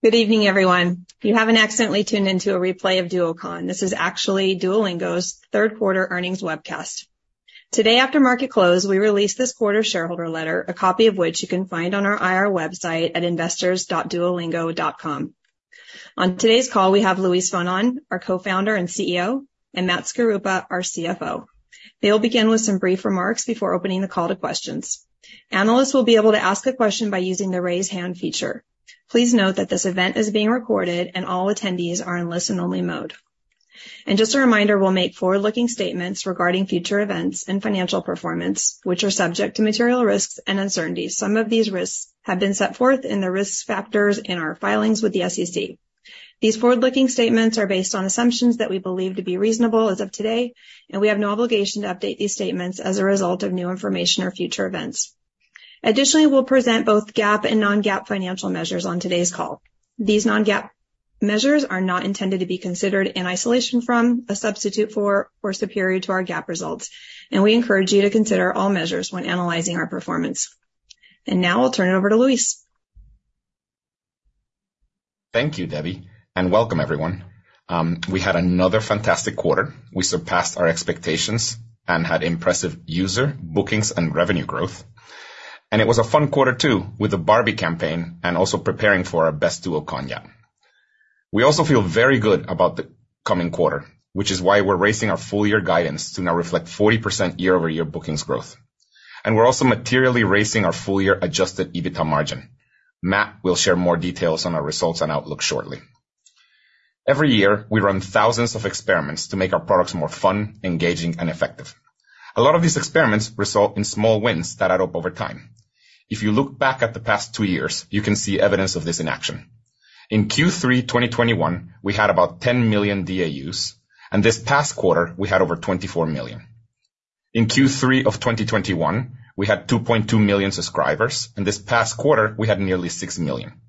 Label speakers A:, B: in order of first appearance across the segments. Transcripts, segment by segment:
A: Good evening, everyone. You haven't accidentally tuned into a replay of Duocon. This is actually Duolingo's third quarter earnings webcast. Today, after market close, we released this quarter's shareholder letter, a copy of which you can find on our IR website at investors.duolingo.com. On today's call, we have Luis von Ahn, our co-founder and CEO, and Matt Skaruppa, our CFO. They will begin with some brief remarks before opening the call to questions. Analysts will be able to ask a question by using the Raise Hand feature. Please note that this event is being recorded and all attendees are in listen-only mode. Just a reminder, we'll make forward-looking statements regarding future events and financial performance, which are subject to material risks and uncertainties. Some of these risks have been set forth in the risk factors in our filings with the SEC. These forward-looking statements are based on assumptions that we believe to be reasonable as of today, and we have no obligation to update these statements as a result of new information or future events. Additionally, we'll present both GAAP and non-GAAP financial measures on today's call. These non-GAAP measures are not intended to be considered in isolation from, a substitute for, or superior to our GAAP results, and we encourage you to consider all measures when analyzing our performance. Now I'll turn it over to Luis.
B: Thank you, Debbie, and welcome, everyone. We had another fantastic quarter. We surpassed our expectations and had impressive user, bookings, and revenue growth. It was a fun quarter, too, with the Barbie campaign and also preparing for our best Duocon yet. We also feel very good about the coming quarter, which is why we're raising our full year guidance to now reflect 40% year-over-year bookings growth. We're also materially raising our full-year adjusted EBITDA margin. Matt will share more details on our results and outlook shortly. Every year, we run thousands of experiments to make our products more fun, engaging, and effective. A lot of these experiments result in small wins that add up over time. If you look back at the past two years, you can see evidence of this in action. In Q3 2021, we had about 10 million DAUs, and this past quarter, we had over 24 million. In Q3 of 2021, we had 2.2 million subscribers, and this past quarter, we had nearly 6 million.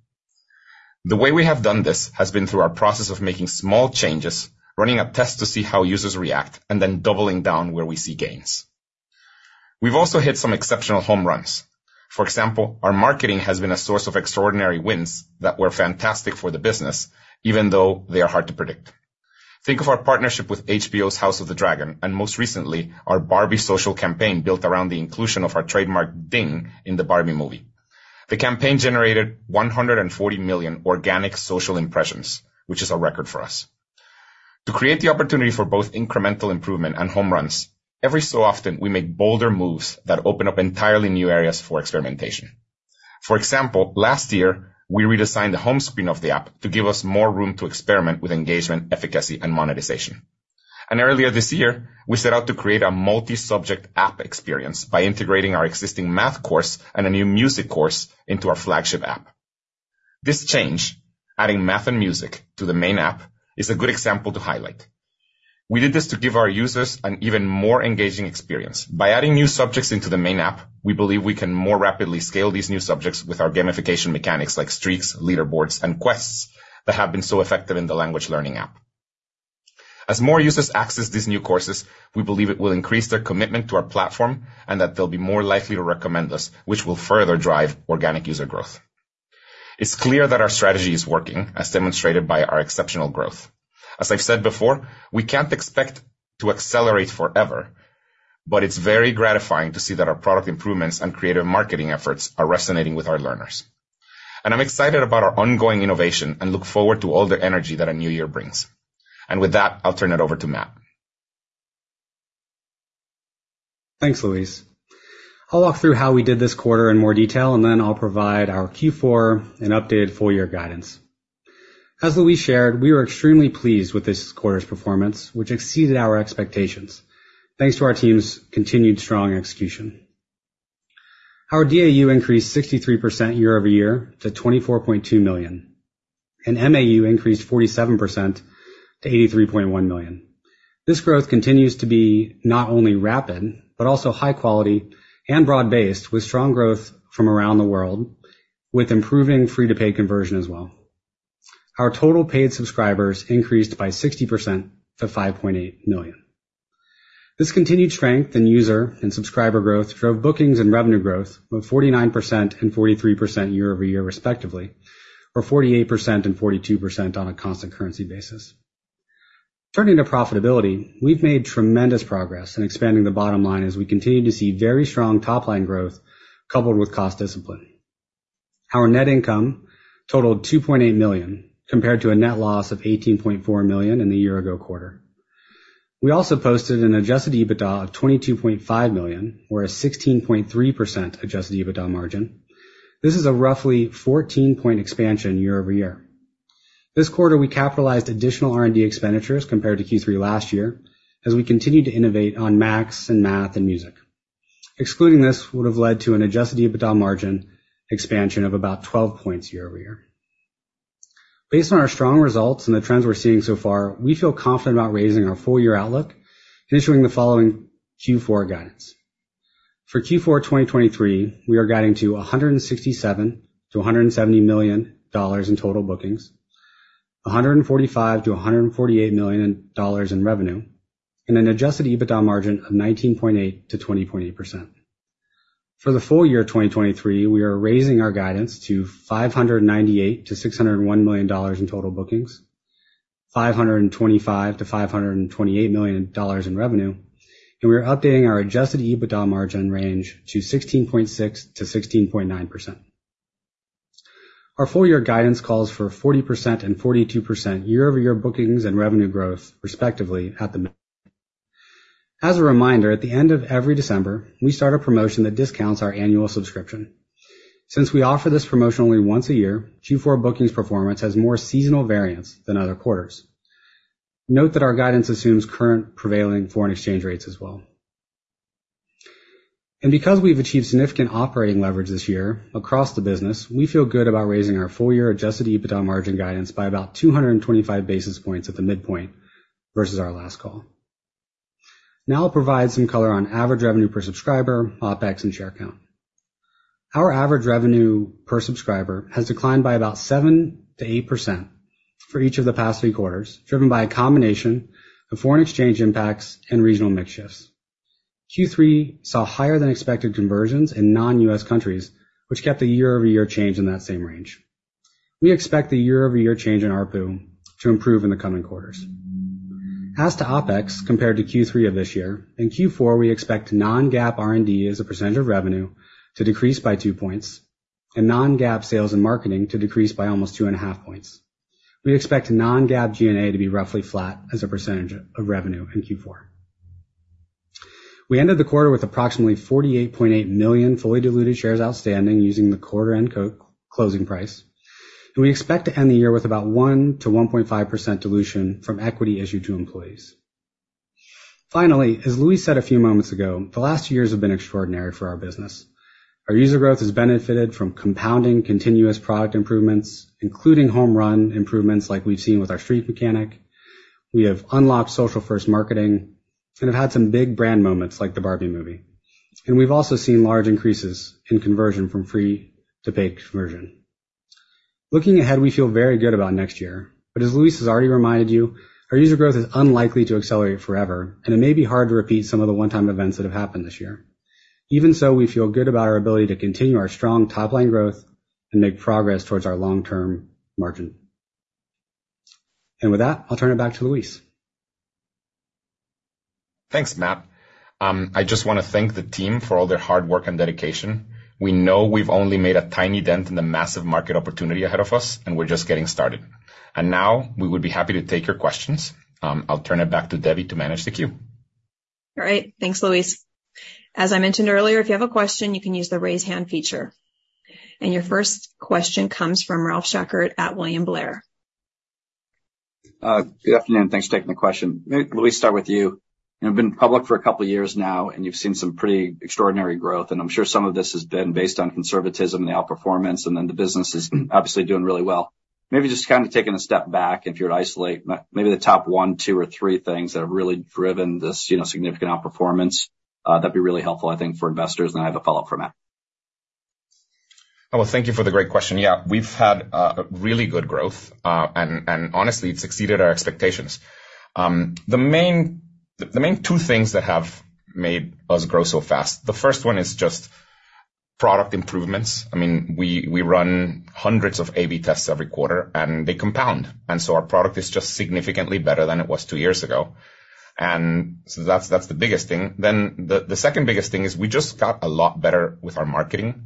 B: The way we have done this has been through our process of making small changes, running a test to see how users react, and then doubling down where we see gains. We've also hit some exceptional home runs. For example, our marketing has been a source of extraordinary wins that were fantastic for the business, even though they are hard to predict. Think of our partnership with HBO's House of the Dragon, and most recently, our Barbie social campaign, built around the inclusion of our trademark ding in the Barbie movie. The campaign generated 140 million organic social impressions, which is a record for us. To create the opportunity for both incremental improvement and home runs, every so often, we make bolder moves that open up entirely new areas for experimentation. For example, last year, we redesigned the home screen of the app to give us more room to experiment with engagement, efficacy, and monetization. Earlier this year, we set out to create a multi-subject app experience by integrating our existing Math course and a new Music course into our flagship app. This change, adding Math and Music to the main app, is a good example to highlight. We did this to give our users an even more engaging experience. By adding new subjects into the main app, we believe we can more rapidly scale these new subjects with our gamification mechanics like streaks, leaderboards, and quests that have been so effective in the language learning app. As more users access these new courses, we believe it will increase their commitment to our platform and that they'll be more likely to recommend us, which will further drive organic user growth. It's clear that our strategy is working, as demonstrated by our exceptional growth. As I've said before, we can't expect to accelerate forever, but it's very gratifying to see that our product improvements and creative marketing efforts are resonating with our learners. I'm excited about our ongoing innovation and look forward to all the energy that a new year brings. With that, I'll turn it over to Matt.
C: Thanks, Luis. I'll walk through how we did this quarter in more detail, and then I'll provide our Q4 and updated full-year guidance. As Luis shared, we are extremely pleased with this quarter's performance, which exceeded our expectations. Thanks to our team's continued strong execution. Our DAU increased 63% year-over-year to $24.2 million, and MAU increased 47% to $83.1 million. This growth continues to be not only rapid, but also high quality and broad-based, with strong growth from around the world, with improving free-to-paid conversion as well. Our total paid subscribers increased by 60% to $5.8 million. This continued strength in user and subscriber growth drove bookings and revenue growth of 49% and 43% year-over-year, respectively, or 48% and 42% on a constant currency basis. Turning to profitability, we've made tremendous progress in expanding the bottom line as we continue to see very strong top-line growth coupled with cost discipline. Our net income totaled $2.8 million, compared to a net loss of $18.4 million in the year ago quarter. We also posted an adjusted EBITDA of $22.5 million or a 16.3% adjusted EBITDA margin. This is a roughly 14-point expansion year-over-year. This quarter, we capitalized additional R&D expenditures compared to Q3 last year, as we continued to innovate on Max and Math and Music. Excluding this would have led to an adjusted EBITDA margin expansion of about 12 points year-over-year. Based on our strong results and the trends we're seeing so far, we feel confident about raising our full year outlook and issuing the following Q4 guidance. For Q4 2023, we are guiding to $167 million-$170 million in total bookings, $145 million-$148 million in revenue, and an adjusted EBITDA margin of 19.8%-20.8%. For the full year 2023, we are raising our guidance to $598 million-$601 million in total bookings, $525 million-$528 million in revenue, and we are updating our adjusted EBITDA margin range to 16.6%-16.9%. Our full year guidance calls for 40% and 42% year-over-year bookings and revenue growth, respectively, at the midpoint. As a reminder, at the end of every December, we start a promotion that discounts our annual subscription. Since we offer this promotion only once a year, Q4 bookings performance has more seasonal variance than other quarters. Note that our guidance assumes current prevailing foreign exchange rates as well. Because we've achieved significant operating leverage this year across the business, we feel good about raising our full-year adjusted EBITDA margin guidance by about 225 basis points at the midpoint versus our last call. Now I'll provide some color on average revenue per subscriber, OpEx, and share count. Our average revenue per subscriber has declined by about 7%-8% for each of the past three quarters, driven by a combination of foreign exchange impacts and regional mix shifts. Q3 saw higher than expected conversions in non-U.S. countries, which kept the year-over-year change in that same range. We expect the year-over-year change in ARPU to improve in the coming quarters. As to OpEx, compared to Q3 of this year, in Q4, we expect non-GAAP R&D as a percentage of revenue to decrease by 2 points, and non-GAAP sales and marketing to decrease by almost 2.5 points. We expect non-GAAP G&A to be roughly flat as a percentage of revenue in Q4. We ended the quarter with approximately 48.8 million fully diluted shares outstanding, using the quarter end closing price, and we expect to end the year with about 1%-1.5% dilution from equity issued to employees. Finally, as Luis said a few moments ago, the last years have been extraordinary for our business. Our user growth has benefited from compounding continuous product improvements, including home run improvements like we've seen with our streak mechanic. We have unlocked social-first marketing and have had some big brand moments, like the Barbie movie. We've also seen large increases in conversion from free to paid conversion. Looking ahead, we feel very good about next year, but as Luis has already reminded you, our user growth is unlikely to accelerate forever, and it may be hard to repeat some of the one-time events that have happened this year. Even so, we feel good about our ability to continue our strong top-line growth and make progress towards our long-term margin. With that, I'll turn it back to Luis.
B: Thanks, Matt. I just want to thank the team for all their hard work and dedication. We know we've only made a tiny dent in the massive market opportunity ahead of us, and we're just getting started. And now, we would be happy to take your questions. I'll turn it back to Debbie to manage the queue.
A: All right. Thanks, Luis. As I mentioned earlier, if you have a question, you can use the Raise Hand feature. Your first question comes from Ralph Schackart at William Blair.
D: Good afternoon. Thanks for taking the question. Maybe, Luis, start with you. You've been public for a couple of years now, and you've seen some pretty extraordinary growth, and I'm sure some of this has been based on conservatism and the outperformance, and then the business is obviously doing really well. Maybe just kinda taking a step back, if you were to isolate maybe the top one, two, or three things that have really driven this, you know, significant outperformance, that'd be really helpful, I think, for investors. And I have a follow-up for Matt.
B: Well, thank you for the great question. Yeah, we've had really good growth, and honestly, it's exceeded our expectations. The main two things that have made us grow so fast, the first one is just product improvements. I mean, we run hundreds of A/B tests every quarter, and they compound, and so our product is just significantly better than it was two years ago. And so that's the biggest thing. Then the second biggest thing is we just got a lot better with our marketing,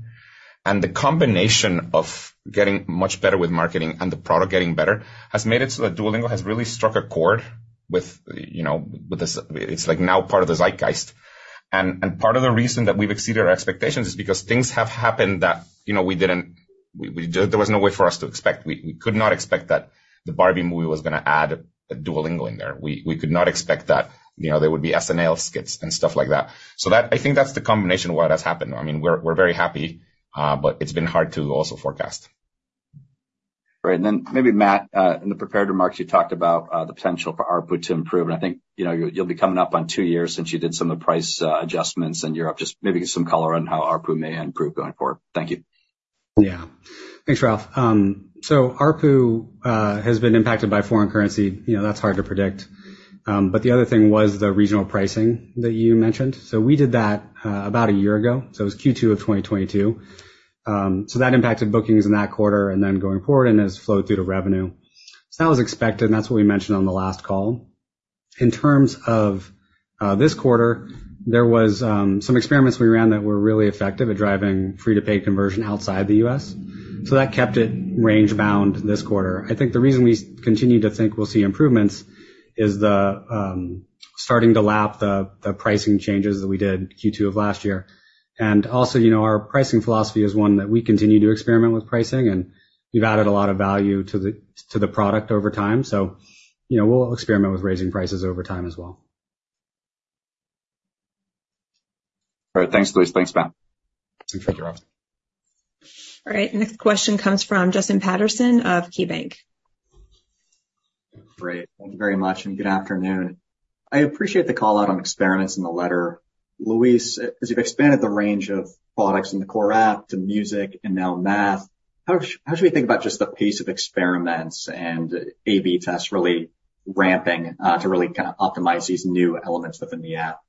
B: and the combination of getting much better with marketing and the product getting better has made it so that Duolingo has really struck a chord with, you know, with this... It's like now part of the zeitgeist. Part of the reason that we've exceeded our expectations is because things have happened that, you know, we didn't expect. There was no way for us to expect. We could not expect that the Barbie movie was going to add Duolingo in there. We could not expect that, you know, there would be SNL skits and stuff like that. So that, I think that's the combination of why that's happened. I mean, we're very happy, but it's been hard to also forecast.
D: Great. And then maybe, Matt, in the prepared remarks, you talked about the potential for ARPU to improve, and I think, you know, you'll be coming up on two years since you did some of the price adjustments, and you're up just maybe some color on how ARPU may improve going forward. Thank you.
C: Yeah. Thanks, Ralph. So ARPU has been impacted by foreign currency. You know, that's hard to predict. But the other thing was the regional pricing that you mentioned. So we did that about a year ago, so it was Q2 of 2022. So that impacted bookings in that quarter and then going forward and has flowed through to revenue. So that was expected, and that's what we mentioned on the last call. In terms of this quarter, there was some experiments we ran that were really effective at driving free to paid conversion outside the U.S., so that kept it range bound this quarter. I think the reason we continue to think we'll see improvements is the starting to lap the pricing changes that we did Q2 of last year. And also, you know, our pricing philosophy is one that we continue to experiment with pricing, and we've added a lot of value to the product over time. So, you know, we'll experiment with raising prices over time as well.
D: All right. Thanks, Luis. Thanks, Matt.
B: Thank you, Ralph.
A: All right, next question comes from Justin Patterson of KeyBanc.
E: Great. Thank you very much, and good afternoon. I appreciate the call out on experiments in the letter. Luis, as you've expanded the range of products in the core app to Music and now Math, how should we think about just the pace of experiments and A/B tests really ramping to really kind of optimize these new elements within the app?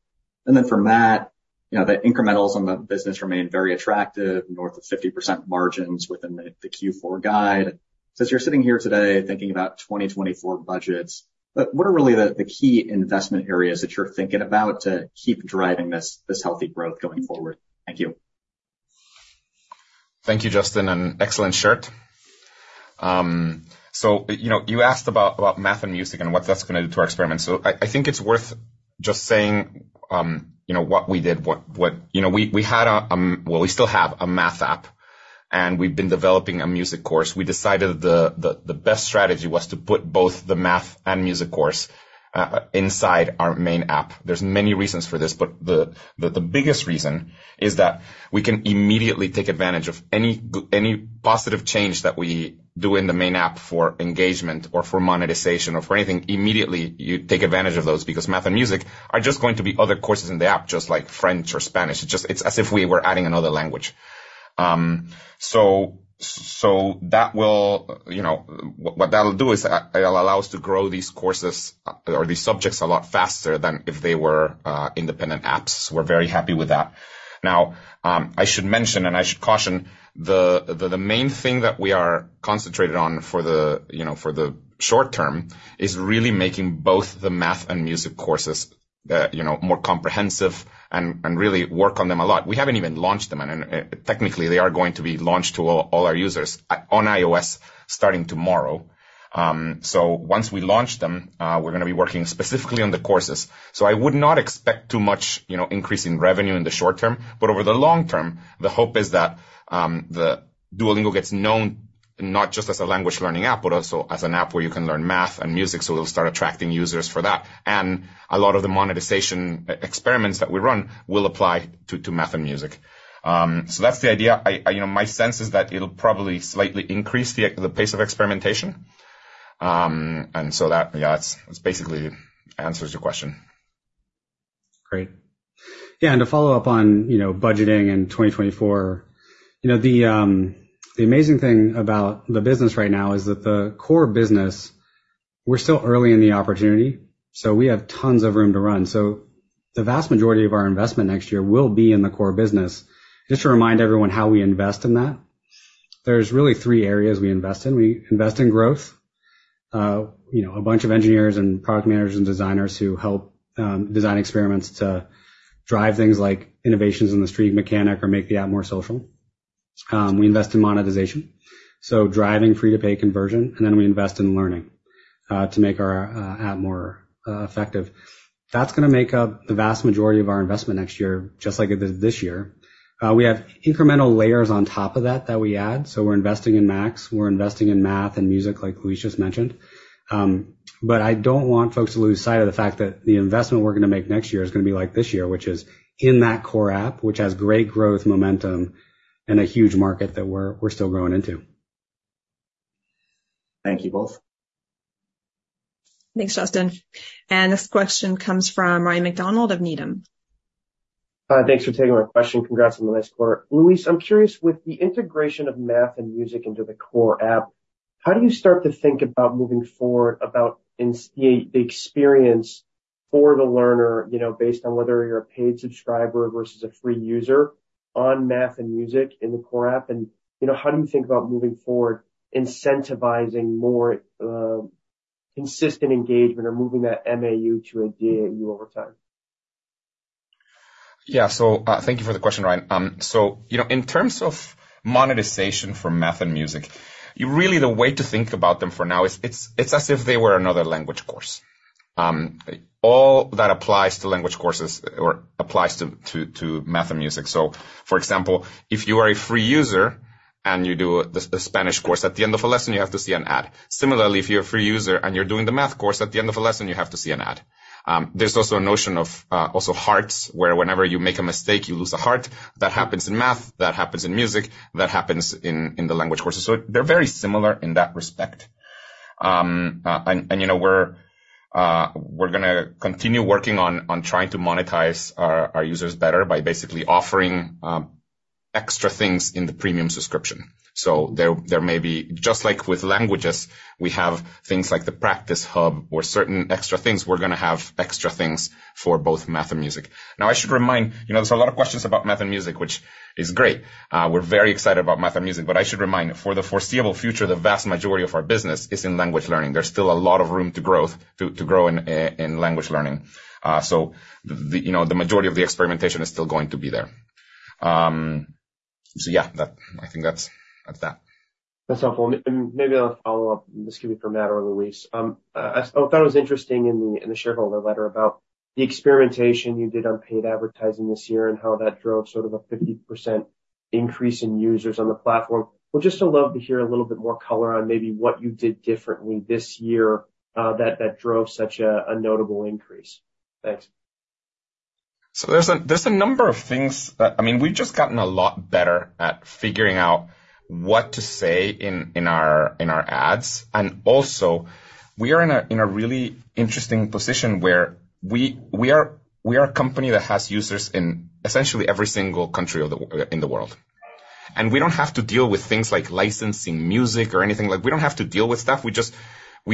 E: And then for Matt, you know, the incrementals on the business remain very attractive, north of 50% margins within the Q4 guide. Since you're sitting here today thinking about 2024 budgets, but what are really the key investment areas that you're thinking about to keep driving this healthy growth going forward? Thank you.
B: Thank you, Justin, and excellent shirt. So, you know, you asked about Math and Music and what that's gonna do to our experiments. So I think it's worth just saying, you know, what we did. You know, we had a, well, we still have a Math app, and we've been developing a Music course. We decided the best strategy was to put both the Math and Music course inside our main app. There's many reasons for this, but the biggest reason is that we can immediately take advantage of any positive change that we do in the main app for engagement or for monetization or for anything, immediately, you take advantage of those, because Math and Music are just going to be other courses in the app, just like French or Spanish. It's just, it's as if we were adding another language. So that will, you know... What that'll do is it'll allow us to grow these courses or these subjects a lot faster than if they were independent apps. We're very happy with that. Now, I should mention, and I should caution, the main thing that we are concentrated on for the, you know, for the short term, is really making both the Math and Music courses, you know, more comprehensive and really work on them a lot. We haven't even launched them, and technically, they are going to be launched to all our users on iOS starting tomorrow. So once we launch them, we're gonna be working specifically on the courses. So I would not expect too much, you know, increase in revenue in the short term, but over the long term, the hope is that the Duolingo gets known not just as a language learning app, but also as an app where you can learn Math and Music, so we'll start attracting users for that. And a lot of the monetization experiments that we run will apply to Math and Music. So that's the idea. I, you know, my sense is that it'll probably slightly increase the pace of experimentation. And so that, yeah, it's basically answers your question.
E: Great.
C: Yeah, and to follow up on, you know, budgeting and 2024, you know, the amazing thing about the business right now is that the core business, we're still early in the opportunity, so we have tons of room to run. So the vast majority of our investment next year will be in the core business. Just to remind everyone how we invest in that, there's really three areas we invest in. We invest in growth, you know, a bunch of engineers and product managers and designers who help design experiments to drive things like innovations in the streak mechanic or make the app more social. We invest in monetization, so driving free-to-paid conversion, and then we invest in learning to make our app more effective. That's gonna make up the vast majority of our investment next year, just like it did this year. We have incremental layers on top of that that we add, so we're investing in Max, we're investing in Math and Music, like Luis just mentioned. But I don't want folks to lose sight of the fact that the investment we're gonna make next year is gonna be like this year, which is in that core app, which has great growth, momentum, and a huge market that we're still growing into.
E: Thank you both.
A: Thanks, Justin. This question comes from Ryan MacDonald of Needham.
F: Thanks for taking my question. Congrats on the last quarter. Luis, I'm curious, with the integration of Math and Music into the core app, how do you start to think about moving forward, about the experience for the learner, you know, based on whether you're a paid subscriber versus a free user on Math and Music in the core app, and, you know, how do you think about moving forward, incentivizing more consistent engagement or moving that MAU to a DAU over time?
B: Yeah. So, thank you for the question, Ryan. So, you know, in terms of monetization for Math and Music, you really, the way to think about them for now is it's as if they were another language Course. All that applies to Language Courses or applies to Math and Music. So for example, if you are a free user and you do the Spanish course, at the end of a lesson, you have to see an ad. Similarly, if you're a free user and you're doing the Math course, at the end of a lesson, you have to see an ad. There's also a notion of hearts, where whenever you make a mistake, you lose a heart. That happens in Math, that happens in Music, that happens in the Language Courses. So they're very similar in that respect. You know, we're gonna continue working on trying to monetize our users better by basically offering extra things in the premium subscription. So there may be, just like with languages, we have things like the Practice Hub or certain extra things. We're gonna have extra things for both Math and Music. Now, I should remind you, you know, there's a lot of questions about Math and Music, which is great. We're very excited about Math and Music, but I should remind you, for the foreseeable future, the vast majority of our business is in language learning. There's still a lot of room to growth, to grow in language learning. So you know, the majority of the experimentation is still going to be there. So yeah, that, I think that's that.
F: That's helpful. Maybe I'll follow up. This could be for Matt or Luis. I thought it was interesting in the shareholder letter about the experimentation you did on paid advertising this year and how that drove sort of a 50% increase in users on the platform. Well, just I'd love to hear a little bit more color on maybe what you did differently this year, that drove such a notable increase. Thanks.
B: So there's a number of things. I mean, we've just gotten a lot better at figuring out what to say in our ads. And also, we are in a really interesting position where we are a company that has users in essentially every single country in the world. And we don't have to deal with things like licensing Music or anything. Like, we don't have to deal with stuff. We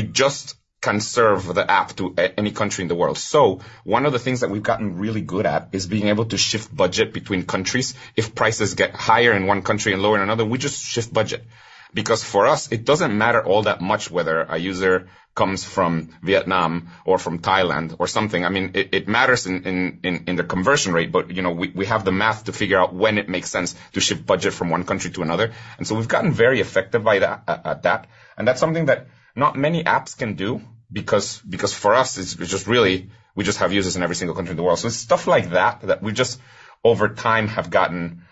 B: just can serve the app to any country in the world. So one of the things that we've gotten really good at is being able to shift budget between countries. If prices get higher in one country and lower in another, we just shift budget. Because for us, it doesn't matter all that much whether a user comes from Vietnam or from Thailand or something. I mean, it matters in the conversion rate, but, you know, we have the Math to figure out when it makes sense to shift budget from one country to another. And so we've gotten very effective by that, at that. And that's something that not many apps can do, because for us, it's just really, we just have users in every single country in the world. So it's stuff like that, that we just over time have gotten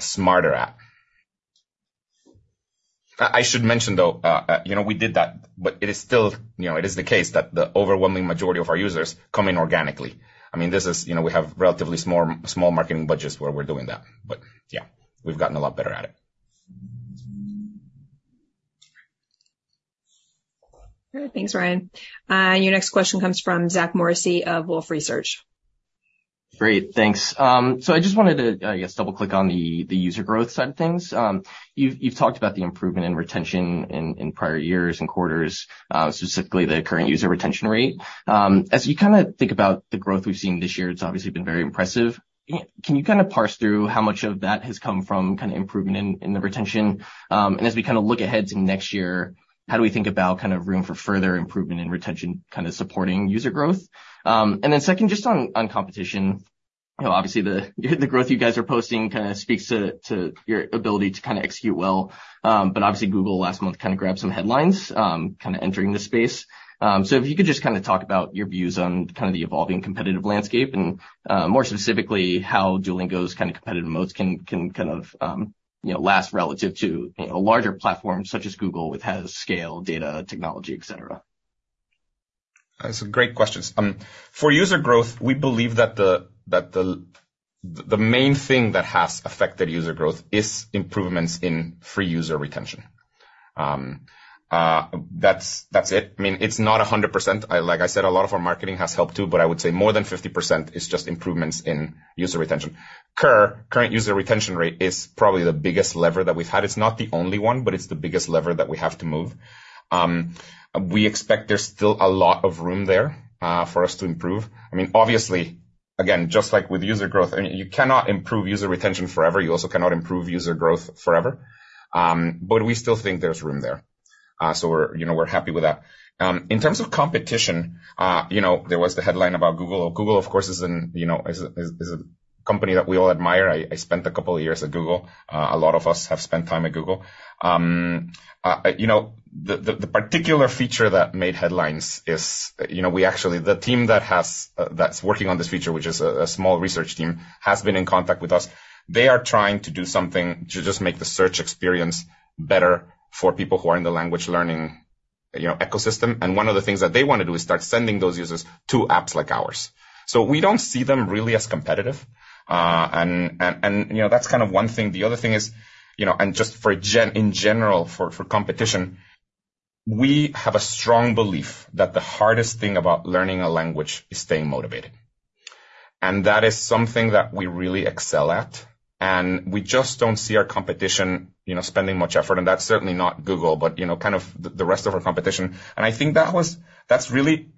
B: smarter at. I should mention, though, you know, we did that, but it is still, you know, it is the case that the overwhelming majority of our users come in organically. I mean, this is, you know, we have relatively small, small marketing budgets where we're doing that. But, yeah, we've gotten a lot better at it.
A: Thanks, Ryan. Your next question comes from Zach Morrissey of Wolfe Research.
G: Great, thanks. So I just wanted to, I guess, double-click on the user growth side of things. You've talked about the improvement in retention in prior years and quarters, specifically the current user retention rate. As you think about the growth we've seen this year, it's obviously been very impressive. Can you kinda parse through how much of that has come from kind of improvement in the retention? And as we look ahead to next year, how do we think about kind of room for further improvement in retention, kind of supporting user growth? And then second, just on competition. You know, obviously, the growth you guys are posting speaks to your ability to kinda execute well. But obviously, Google last month kind of grabbed some headlines, kinda entering the space. So if you could just kinda talk about your views on kind of the evolving competitive landscape and, more specifically, how Duolingo's kind of competitive modes can kind of, you know, last relative to, you know, a larger platform such as Google, which has scale, data, technology, et cetera.
B: That's great questions. For user growth, we believe that the main thing that has affected user growth is improvements in free user retention. That's it. I mean, it's not 100%. Like I said, a lot of our marketing has helped, too, but I would say more than 50% is just improvements in user retention. CUR, current user retention rate, is probably the biggest lever that we've had. It's not the only one, but it's the biggest lever that we have to move. We expect there's still a lot of room there for us to improve. I mean, obviously, again, just like with user growth, and you cannot improve user retention forever. You also cannot improve user growth forever. But we still think there's room there. So, you know, we're happy with that. In terms of competition, you know, there was the headline about Google. Google, of course, is a company that we all admire. I spent a couple of years at Google. A lot of us have spent time at Google. You know, the particular feature that made headlines is, you know, we actually the team that has that's working on this feature, which is a small research team, has been in contact with us. They are trying to do something to just make the search experience better for people who are in the language learning, you know, ecosystem. And one of the things that they want to do is start sending those users to apps like ours. So we don't see them really as competitive. And, you know, that's kind of one thing. The other thing is, you know, and just for—in general, for competition, we have a strong belief that the hardest thing about learning a language is staying motivated. And that is something that we really excel at, and we just don't see our competition, you know, spending much effort, and that's certainly not Google, but, you know, kind of the rest of our competition. And I think that's really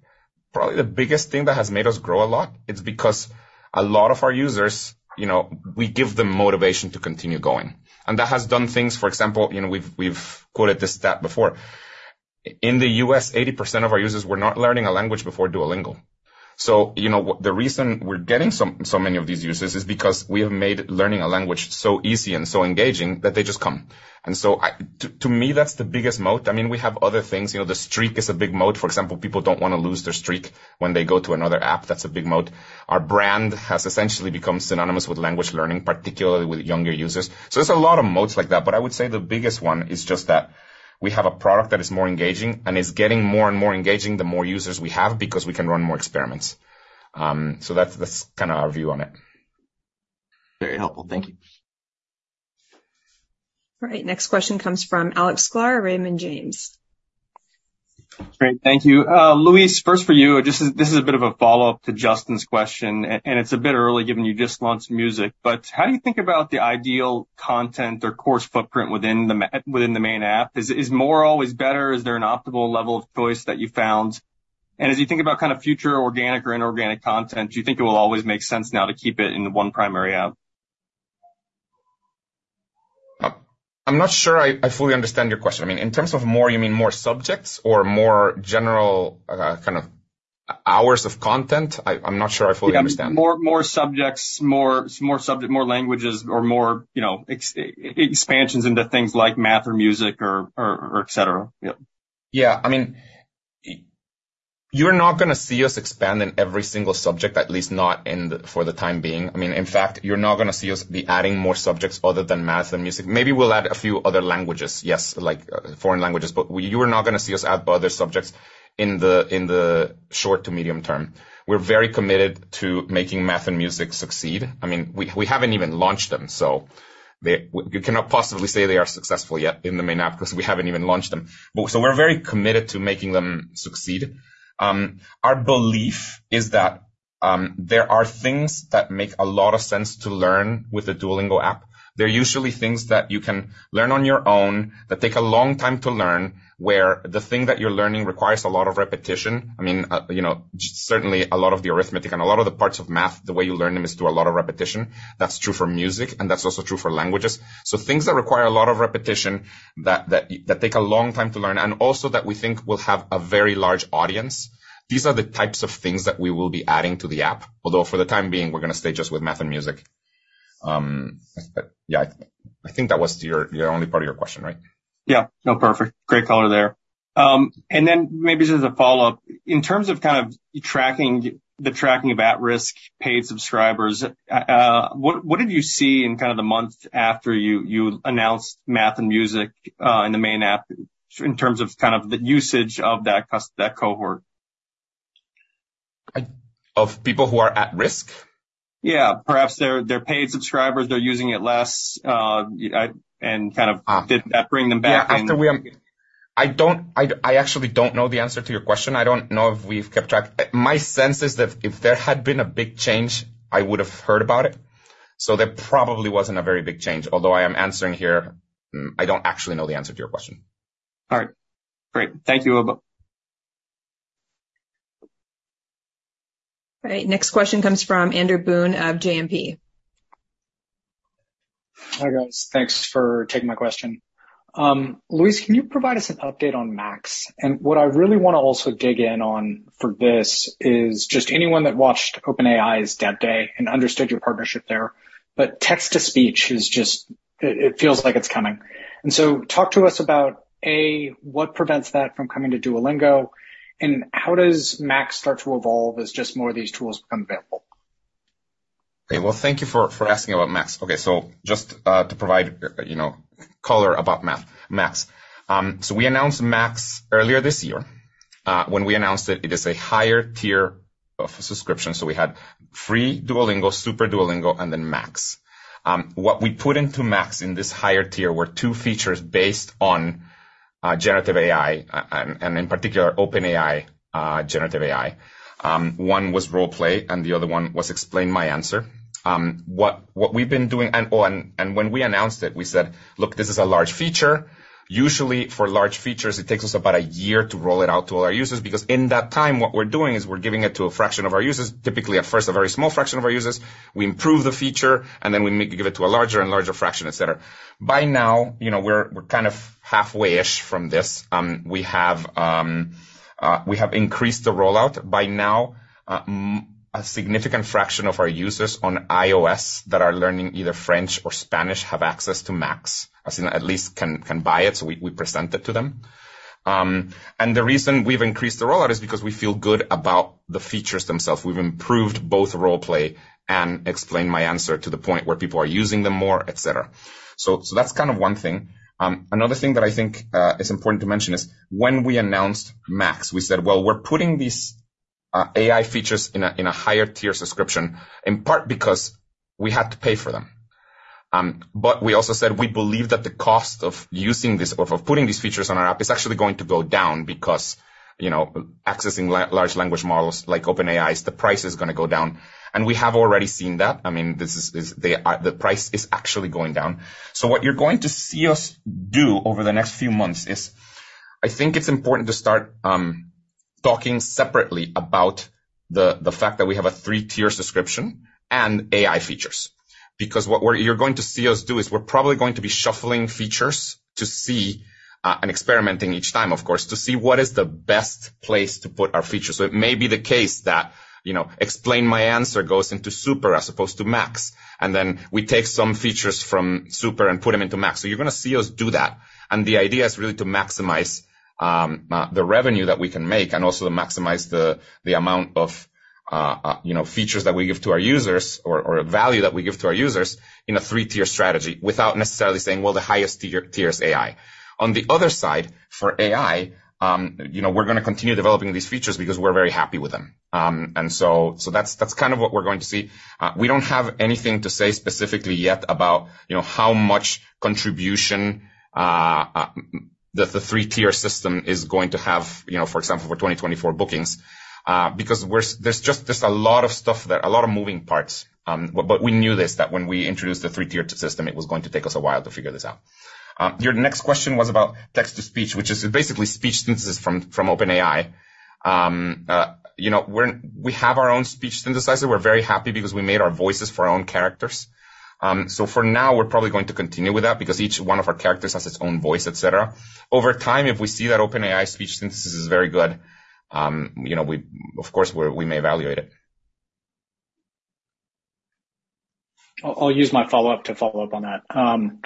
B: probably the biggest thing that has made us grow a lot, it's because a lot of our users, you know, we give them motivation to continue going. And that has done things, for example, you know, we've quoted this stat before. In the U.S., 80% of our users were not learning a language before Duolingo. So, you know, the reason we're getting so, so many of these users is because we have made learning a language so easy and so engaging that they just come. To me, that's the biggest moat. I mean, we have other things. You know, the streak is a big moat, for example, people don't wanna lose their streak when they go to another app. That's a big moat. Our brand has essentially become synonymous with language learning, particularly with younger users. So there's a lot of moats like that, but I would say the biggest one is just that we have a product that is more engaging and is getting more and more engaging the more users we have because we can run more experiments. So that's kinda our view on it.
G: Very helpful. Thank you.
A: All right, next question comes from Alex Sklar, Raymond James.
H: Great. Thank you. Luis, first for you. This is a bit of a follow-up to Justin's question, and it's a bit early, given you just launched Music, but how do you think about the ideal content or course footprint within the main app? Is more always better? Is there an optimal level of choice that you found? And as you think about kinda future organic or inorganic content, do you think it will always make sense now to keep it in the one primary app?
B: I'm not sure I fully understand your question. I mean, in terms of more, you mean more subjects or more general kind of hours of content? I'm not sure I fully understand.
H: More subjects, more languages, or more, you know, expansions into things like Math or Music or et cetera. Yep.
B: Yeah. I mean, you're not gonna see us expand in every single subject, at least not in the, for the time being. I mean, in fact, you're not gonna see us be adding more subjects other than Math and Music. Maybe we'll add a few other languages, yes, like, foreign languages, but you are not gonna see us add other subjects in the short to medium term. We're very committed to making Math and Music succeed. I mean, we haven't even launched them, so they. We cannot possibly say they are successful yet in the main app because we haven't even launched them. But so we're very committed to making them succeed. Our belief is that there are things that make a lot of sense to learn with the Duolingo app. They're usually things that you can learn on your own, that take a long time to learn, where the thing that you're learning requires a lot of repetition. I mean, you know, certainly a lot of the arithmetic and a lot of the parts of Math, the way you learn them is through a lot of repetition. That's true for Music, and that's also true for languages. So things that require a lot of repetition, that take a long time to learn, and also that we think will have a very large audience. These are the types of things that we will be adding to the app, although for the time being, we're gonna stay just with Math and Music. But yeah, I think that was your only part of your question, right?
H: Yeah. No, perfect. Great color there. And then maybe just as a follow-up, in terms of kind of tracking of at-risk paid subscribers, what did you see in kind of the month after you announced Math and Music in the main app, in terms of kind of the usage of that cohort?
B: Of people who are at risk?
H: Yeah, perhaps they're paid subscribers, they're using it less. And kind of did that bring them back?
B: Yeah, I actually don't know the answer to your question. I don't know if we've kept track. My sense is that if there had been a big change, I would have heard about it, so there probably wasn't a very big change. Although I am answering here, I don't actually know the answer to your question.
H: All right, great. Thank you, Luis.
A: All right, next question comes from Andrew Boone of JMP.
I: Hi, guys. Thanks for taking my question. Luis, can you provide us an update on Max? And what I really want to also dig in on for this is just anyone that watched OpenAI's DevDay and understood your partnership there, but text-to-speech is just... It feels like it's coming. And so talk to us about, A, what prevents that from coming to Duolingo, and how does Max start to evolve as just more of these tools become available?
B: Okay, well, thank you for asking about Max. Okay, so just to provide, you know, color about Max. So we announced Max earlier this year. When we announced it, it is a higher tier of subscription, so we had free Duolingo, Super Duolingo, and then Max. What we put into Max in this higher tier were two features based on generative AI, and in particular, OpenAI generative AI. One was Roleplay, and the other one was Explain My Answer. What we've been doing—and when we announced it, we said: Look, this is a large feature. Usually, for large features, it takes us about a year to roll it out to all our users, because in that time, what we're doing is we're giving it to a fraction of our users, typically at first, a very small fraction of our users. We improve the feature, and then we give it to a larger and larger fraction, et cetera. By now, you know, we're kind of halfway-ish from this. We have increased the rollout. By now, a significant fraction of our users on iOS that are learning either French or Spanish have access to Max, as in at least can buy it, so we present it to them. And the reason we've increased the rollout is because we feel good about the features themselves. We've improved both Roleplay and Explain My Answer to the point where people are using them more, et cetera. So that's kind of one thing. Another thing that I think is important to mention is when we announced Max, we said: Well, we're putting these AI features in a higher tier subscription, in part because we had to pay for them. But we also said we believe that the cost of using this or of putting these features on our app is actually going to go down because, you know, accessing large language models like OpenAI's, the price is gonna go down. And we have already seen that. I mean, this is the price is actually going down. So what you're going to see us do over the next few months is I think it's important to start talking separately about the fact that we have a three-tier subscription and AI features. Because what you're going to see us do is we're probably going to be shuffling features to see and experimenting each time, of course, to see what is the best place to put our features. So it may be the case that, you know, Explain My Answer goes into Super as opposed to Max, and then we take some features from Super and put them into Max. So you're gonna see us do that, and the idea is really to maximize the revenue that we can make and also to maximize the amount of, you know, features that we give to our users or value that we give to our users in a three-tier strategy without necessarily saying, well, the highest tier is AI. On the other side, for AI, you know, we're gonna continue developing these features because we're very happy with them. And so that's kind of what we're going to see. We don't have anything to say specifically yet about, you know, how much contribution the three-tier system is going to have, you know, for example, for 2024 bookings, because we're, there's just, there's a lot of stuff there, a lot of moving parts. But, but we knew this, that when we introduced the three-tier system, it was going to take us a while to figure this out. Your next question was about text-to-speech, which is basically speech synthesis from OpenAI. You know, we're, we have our own speech synthesizer. We're very happy because we made our voices for our own characters. So for now, we're probably going to continue with that because each one of our characters has its own voice, et cetera. Over time, if we see that OpenAI speech synthesis is very good, you know, we, of course, we, we may evaluate it.
I: I'll use my follow-up to follow up on that.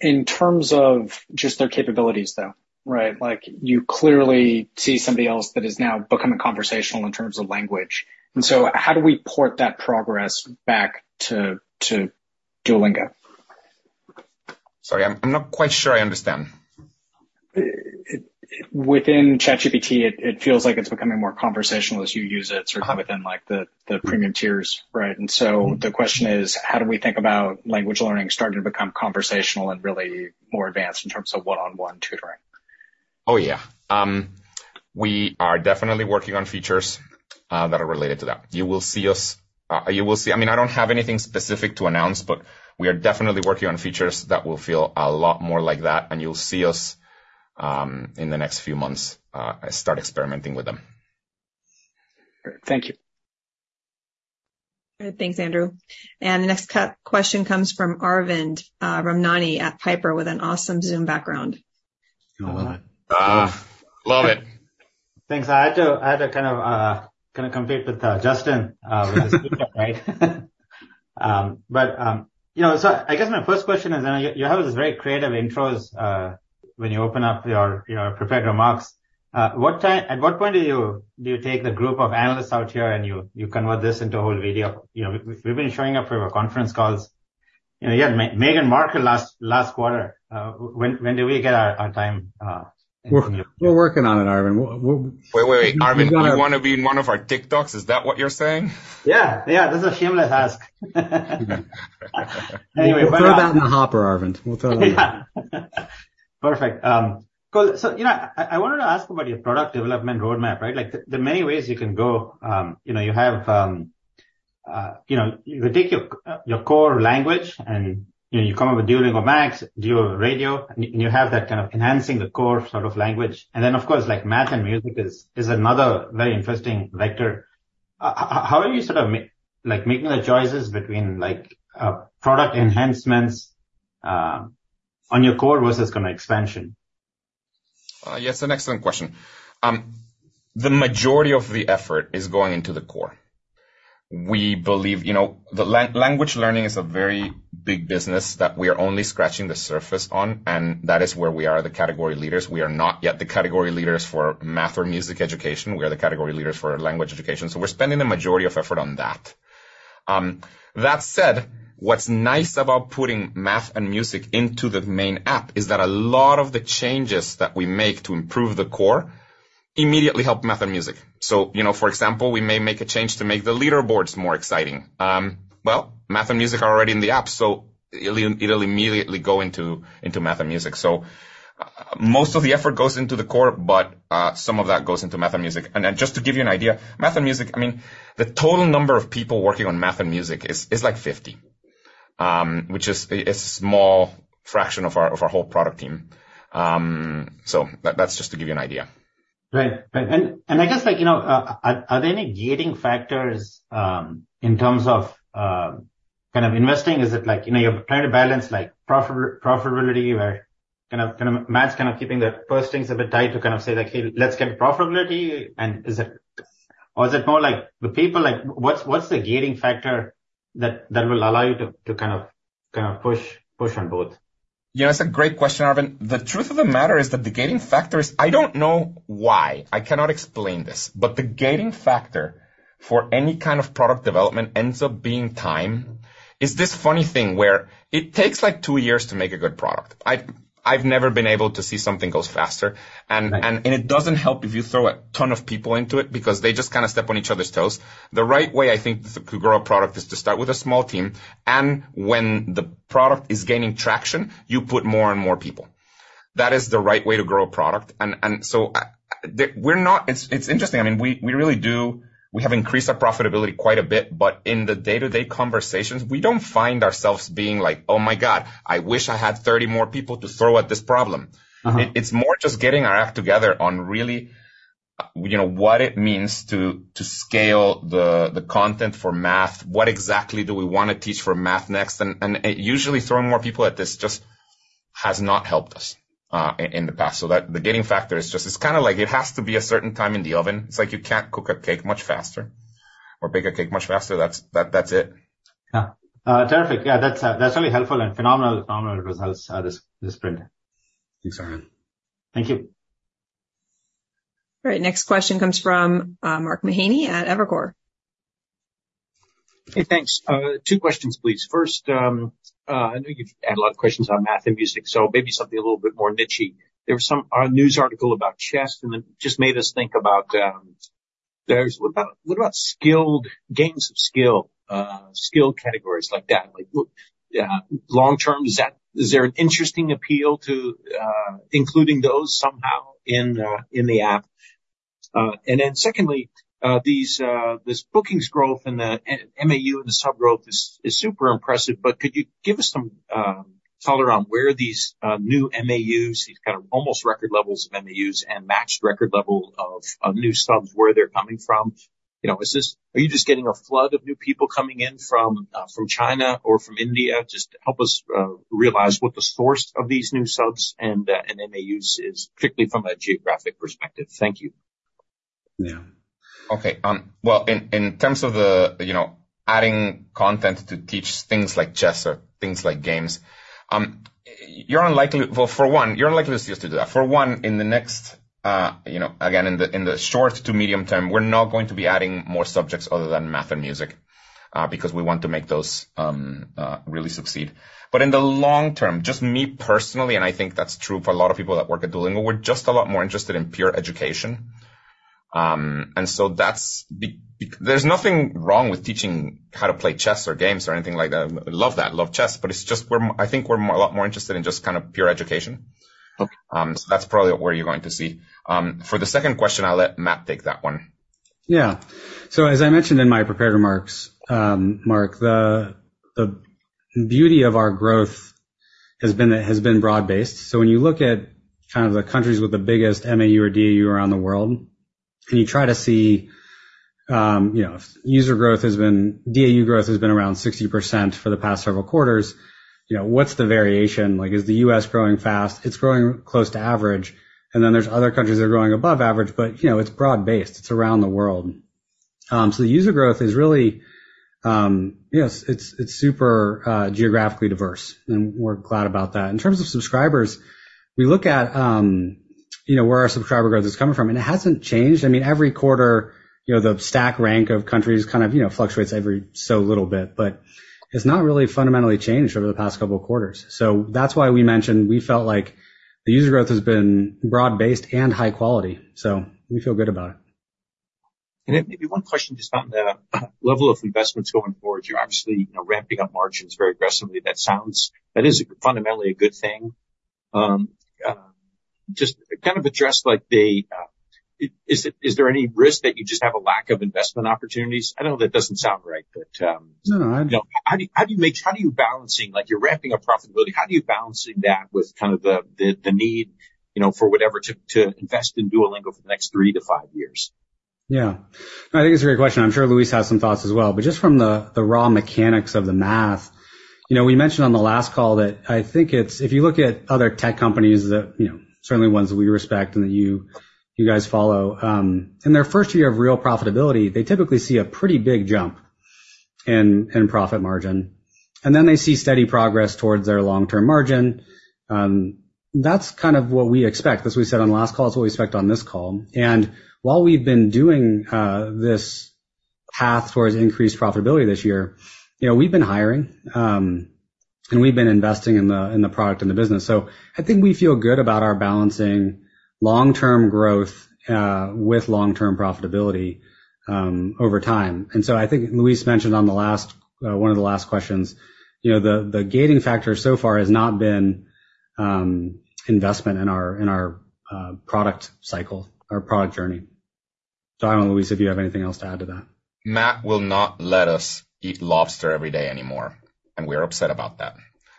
I: In terms of just their capabilities, though, right? Like, you clearly see somebody else that is now becoming conversational in terms of language. And so how do we port that progress back to Duolingo?
B: Sorry, I'm not quite sure I understand.
I: Within ChatGPT, it feels like it's becoming more conversational as you use it, sort of within, like, the premium tiers, right? And so the question is: How do we think about language learning starting to become conversational and really more advanced in terms of one-on-one tutoring?
B: Oh, yeah. We are definitely working on features that are related to that. You will see us, you will see—I mean, I don't have anything specific to announce, but we are definitely working on features that will feel a lot more like that, and you'll see us, in the next few months, start experimenting with them.
I: Thank you.
A: Good. Thanks, Andrew. And the next question comes from Arvind Ramnani at Piper with an awesome Zoom background.
B: Oh, wow.
J: Ah, love it.
K: Thanks. I had to kind of compete with Justin, right? But you know, so I guess my first question is, and you have these very creative intros when you open up your prepared remarks. At what point do you take the group of analysts out here, and you convert this into a whole video? You know, we've been showing up for your conference calls. You know, you had Meghan Markle last quarter. When do we get our time,
J: We're working on it, Arvind. We'll-
B: Wait, wait, wait, Arvind, do you want to be in one of our TikToks? Is that what you're saying?
K: Yeah, yeah. This is a shameless ask. Anyway-
J: We'll throw that in the hopper, Arvind. We'll throw that in.
K: Perfect. Cool. So, you know, I wanted to ask about your product development roadmap, right? Like, the many ways you can go, you know, you have, you know, you take your core language, and, you know, you come up with Duolingo Max, Duolingo Radio, and you, you have that kind of enhancing the core sort of language. And then, of course, like, Math and Music is another very interesting vector. How are you sort of making the choices between, like, product enhancements on your core versus kind of expansion?
B: Yes, an excellent question. The majority of the effort is going into the core. We believe, you know, language learning is a very big business that we are only scratching the surface on, and that is where we are, the category leaders. We are not yet the category leaders for Math or Music education. We are the category leaders for Language education, so we're spending the majority of effort on that. That said, what's nice about putting Math and Music into the main app is that a lot of the changes that we make to improve the core immediately help Math and Music. So, you know, for example, we may make a change to make the leaderboards more exciting. Well, Math and Music are already in the app, so it'll immediately go into Math and Music. So most of the effort goes into the core, but some of that goes into Math and Music. And then just to give you an idea, Math and Music, I mean, the total number of people working on Math and Music is like 50, which is a small fraction of our whole product team. So that's just to give you an idea.
K: Right. Right. And I guess, like, you know, are there any gating factors in terms of kind of investing? Is it like, you know, you're trying to balance, like, profitability or kind of, kind of Math kind of keeping the purse strings a bit tight to kind of say, like, "Hey, let's get profitability"? And is it... Or is it more like the people, like, what's the gating factor that will allow you to kind of push on both?
B: Yeah, that's a great question, Arvind. The truth of the matter is that the gating factor is, I don't know why, I cannot explain this, but the gating factor for any kind of product development ends up being time. It's this funny thing where it takes, like, two years to make a good product. I've, I've never been able to see something goes faster, and, and-
K: Right.
B: And it doesn't help if you throw a ton of people into it, because they just kind of step on each other's toes. The right way, I think, to grow a product is to start with a small team, and when the product is gaining traction, you put more and more people. That is the right way to grow a product. And so, we're not. It's interesting. I mean, we really do. We have increased our profitability quite a bit, but in the day-to-day conversations, we don't find ourselves being like, "Oh, my God, I wish I had 30 more people to throw at this problem.
K: Mm-hmm.
B: It's more just getting our act together on really, you know, what it means to scale the content for Math. What exactly do we want to teach for Math next? And usually throwing more people at this just has not helped us in the past. So the gating factor is just, it's kind of like it has to be a certain time in the oven. It's like you can't cook a cake much faster or bake a cake much faster. That's it.
K: Yeah. Terrific. Yeah, that's really helpful and phenomenal, phenomenal results at this print.
B: Thanks, Arvind.
K: Thank you.
A: All right, next question comes from Mark Mahaney at Evercore.
J: Hey, thanks. Two questions, please. First, I know you've had a lot of questions on Math and Music, so maybe something a little bit more nichey. There was some a news article about chess, and it just made us think about, What about, what about skilled games of skill, skill categories like that? Like, long-term, is there an interesting appeal to, including those somehow in the app? And then secondly, this bookings growth and the MAU and the sub growth is super impressive, but could you give us some color around where these new MAUs, these kind of almost record levels of MAUs and matched record level of new subs, where they're coming from? You know, are you just getting a flood of new people coming in from China or from India? Just help us realize what the source of these new subs and MAUs is, strictly from a geographic perspective. Thank you.
B: Yeah. Okay. Well, in terms of the, you know, adding content to teach things like chess or things like games, you're unlikely... Well, for one, you're unlikely us to do that. For one, in the next, you know, again, in the short to medium term, we're not going to be adding more subjects other than Math and Music, because we want to make those really succeed. But in the long term, just me personally, and I think that's true for a lot of people that work at Duolingo, we're just a lot more interested in pure education.... And so there's nothing wrong with teaching how to play chess or games or anything like that. I love that. Love chess, but it's just we're, I think we're more, a lot more interested in just kind of pure education.
J: Okay.
B: So that's probably where you're going to see. For the second question, I'll let Matt take that one.
C: Yeah. So as I mentioned in my prepared remarks, Mark, the beauty of our growth has been broad-based. So when you look at kind of the countries with the biggest MAU or DAU around the world, and you try to see, you know, DAU growth has been around 60% for the past several quarters. You know, what's the variation like? Is the U.S. growing fast? It's growing close to average, and then there's other countries that are growing above average, but, you know, it's broad-based. It's around the world. So the user growth is really, you know, it's super geographically diverse, and we're glad about that. In terms of subscribers, we look at, you know, where our subscriber growth is coming from, and it hasn't changed. I mean, every quarter, you know, the stack rank of countries kind of, you know, fluctuates every so little bit, but it's not really fundamentally changed over the past couple of quarters. So that's why we mentioned we felt like the user growth has been broad-based and high quality, so we feel good about it.
J: Maybe one question just on the level of investments going forward. You're obviously, you know, ramping up margins very aggressively. That sounds... That is fundamentally a good thing. Just kind of address, like, is there any risk that you just have a lack of investment opportunities? I know that doesn't sound right, but.
C: No, no.
J: How do you balance, like, you're ramping up profitability, how do you balance that with kind of the need, you know, to invest in Duolingo for the next three to five years?
C: Yeah, I think it's a great question. I'm sure Luis has some thoughts as well, but just from the raw mechanics of the Math. You know, we mentioned on the last call that I think it's—if you look at other tech companies that, you know, certainly ones we respect and that you guys follow, in their first year of real profitability, they typically see a pretty big jump in profit margin, and then they see steady progress towards their long-term margin. That's kind of what we expect. As we said on last call, it's what we expect on this call. While we've been doing this path towards increased profitability this year, you know, we've been hiring, and we've been investing in the product and the business. So I think we feel good about our balancing long-term growth with long-term profitability over time. And so I think Luis mentioned on the last one of the last questions, you know, the gating factor so far has not been investment in our product cycle or product journey. So I don't know, Luis, if you have anything else to add to that.
B: Matt will not let us eat lobster every day anymore, and we're upset about that.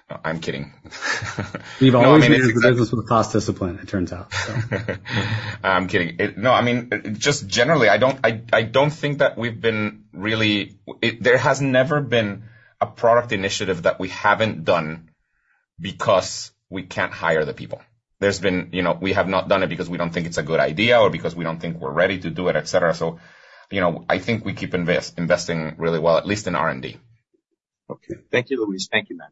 B: No, I'm kidding.
C: We've always managed the business with a cost discipline, it turns out, so.
B: I'm kidding. No, I mean, just generally, I don't think that we've been really... There has never been a product initiative that we haven't done because we can't hire the people. There's been, you know, we have not done it because we don't think it's a good idea or because we don't think we're ready to do it, et cetera. So, you know, I think we keep investing really well, at least in R&D.
J: Okay. Thank you, Luis. Thank you, Matt.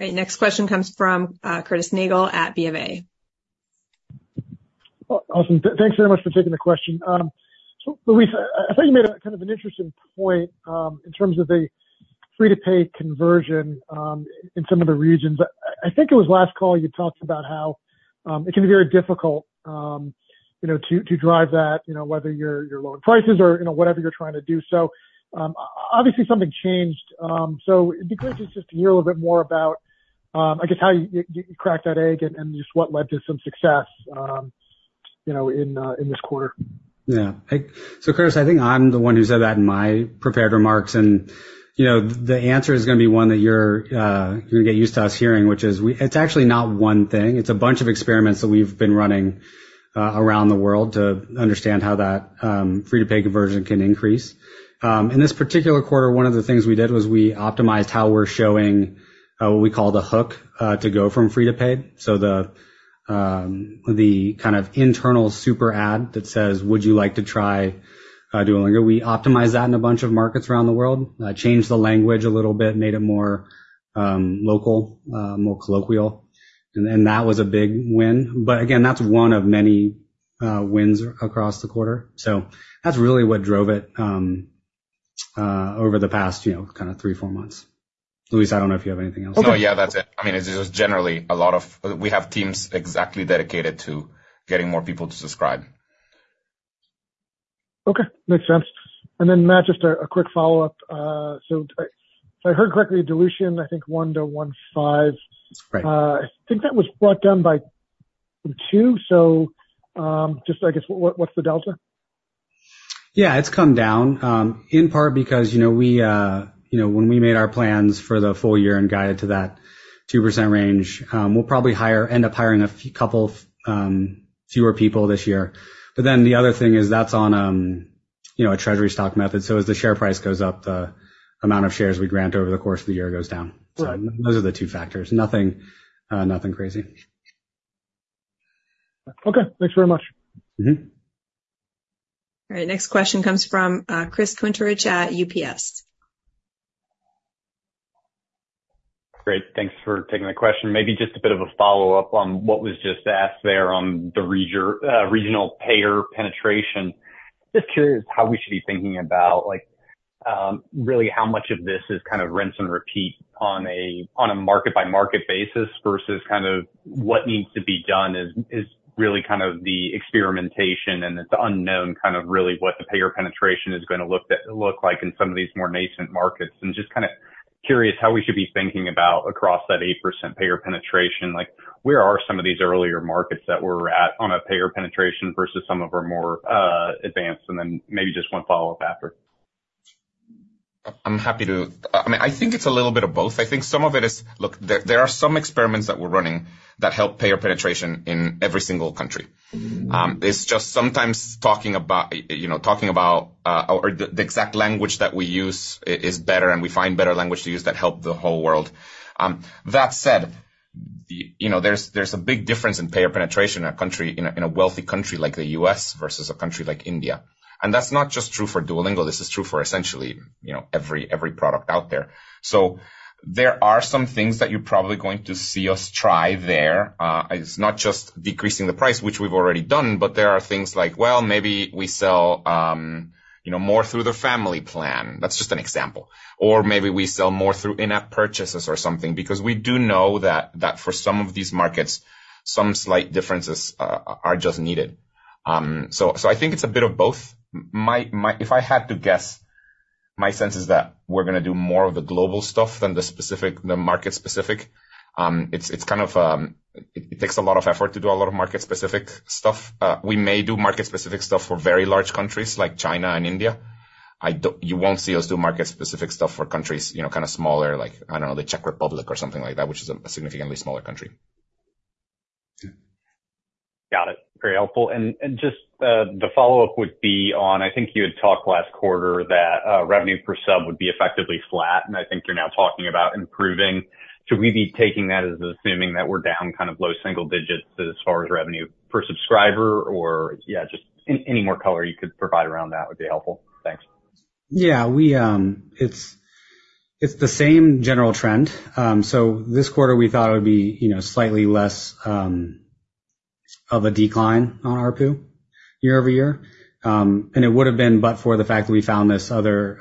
A: Okay, next question comes from Curtis Nagle at BofA.
L: Well, awesome. Thanks very much for taking the question. So Luis, I think you made a kind of an interesting point in terms of the free to paid conversion in some of the regions. I think it was last call, you talked about how it can be very difficult, you know, to drive that, you know, whether you're lowering prices or, you know, whatever you're trying to do. So, obviously something changed. So be curious just to hear a little bit more about, I guess, how you cracked that egg and just what led to some success, you know, in this quarter?
C: Yeah. So Curtis, I think I'm the one who said that in my prepared remarks, and, you know, the answer is going to be one that you're gonna get used to us hearing, which is it's actually not one thing. It's a bunch of experiments that we've been running around the world to understand how that free to paid conversion can increase. In this particular quarter, one of the things we did was we optimized how we're showing what we call the hook to go from free to paid. So the kind of internal super ad that says: "Would you like to try Super Duolingo?" We optimized that in a bunch of markets around the world, changed the language a little bit, made it more local, more colloquial, and that was a big win. But again, that's one of many wins across the quarter. So that's really what drove it over the past, you know, kind of three, four months. Luis, I don't know if you have anything else.
B: No. Yeah, that's it. I mean, it was generally a lot of... We have teams exactly dedicated to getting more people to subscribe.
L: Okay, makes sense. And then, Matt, just a quick follow-up. So if I heard correctly, dilution, I think 1-1.5.
C: That's right.
L: I think that was brought down by two. So, just I guess, what's the delta?
C: Yeah, it's come down, in part because, you know, we, you know, when we made our plans for the full year and guided to that 2% range, we'll probably hire—end up hiring a few couple, fewer people this year. But then the other thing is that's on, you know, a Treasury stock method. So as the share price goes up, the amount of shares we grant over the course of the year goes down.
L: Right.
C: So those are the two factors. Nothing, nothing crazy.
L: Okay, thanks very much.
C: Mm-hmm.
A: All right, next question comes from, Chris Kuntarich at UBS.
M: Great, thanks for taking the question. Maybe just a bit of a follow-up on what was just asked there on the regional payer penetration. Just curious how we should be thinking about, like, really how much of this is kind of rinse and repeat on a market-by-market basis versus kind of what needs to be done is really kind of the experimentation and it's unknown, kind of really what the payer penetration is going to look like in some of these more nascent markets. And just kind of curious how we should be thinking about across that 8% payer penetration, like, where are some of these earlier markets that we're at on a payer penetration versus some of our more advanced? And then maybe just one follow-up after.
B: I'm happy to... I mean, I think it's a little bit of both. I think some of it is, look, there, there are some experiments that we're running that help payer penetration in every single country. It's just sometimes talking about, you know, talking about, or the, the exact language that we use is, is better, and we find better language to use that help the whole world. That said, you know, there's, there's a big difference in payer penetration in a country, in a, in a wealthy country like the U.S. versus a country like India. And that's not just true for Duolingo, this is true for essentially, you know, every, every product out there. So there are some things that you're probably going to see us try there. It's not just decreasing the price, which we've already done, but there are things like, well, maybe we sell, you know, more through the Family Plan. That's just an example. Or maybe we sell more through in-app purchases or something, because we do know that for some of these markets, some slight differences are just needed. So I think it's a bit of both. If I had to guess, my sense is that we're going to do more of the global stuff than the specific - the market specific. It's kind of it takes a lot of effort to do a lot of market-specific stuff. We may do market-specific stuff for very large countries like China and India. You won't see us do market-specific stuff for countries, you know, kind of smaller, like, I don't know, the Czech Republic or something like that, which is a significantly smaller country.
M: Got it. Very helpful. And just the follow-up would be on, I think you had talked last quarter that revenue per sub would be effectively flat, and I think you're now talking about improving. Should we be taking that as assuming that we're down kind of low single digits as far as revenue per subscriber? Or, yeah, just any more color you could provide around that would be helpful. Thanks.
C: Yeah, we, it's the same general trend. So this quarter, we thought it would be, you know, slightly less of a decline on ARPU year-over-year. And it would have been, but for the fact that we found this other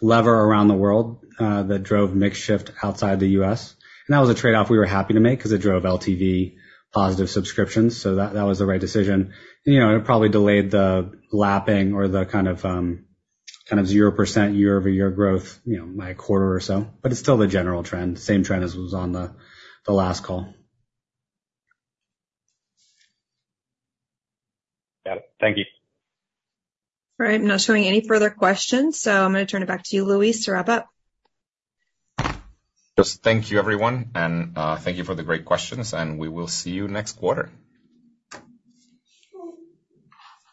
C: lever around the world that drove mix shift outside the U.S. And that was a trade-off we were happy to make because it drove LTV positive subscriptions, so that was the right decision. You know, it probably delayed the lapping or the kind of kind of 0% year-over-year growth, you know, by a quarter or so, but it's still the general trend, same trend as was on the last call.
M: Got it. Thank you.
A: All right. I'm not showing any further questions, so I'm going to turn it back to you, Luis, to wrap up.
B: Just thank you, everyone, and thank you for the great questions, and we will see you next quarter.